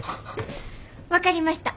分かりました。